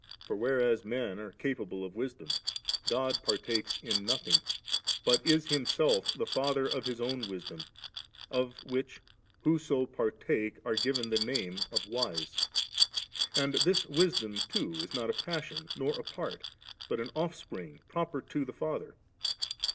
For, whereas men are capable of wisdom, God partakes in nothing, but is Him self the Father of His own Wisdom, of which whoso partake are ^ven the name of wise. And this Wisdom too is not a passion, nor a part, but an Offspring proper to the Father.